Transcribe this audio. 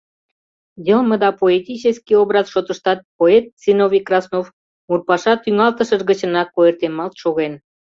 Йылме да поэтический образ шотыштат поэт Зиновий Краснов мурпаша тӱҥалтышыж гычынак ойыртемалт шоген.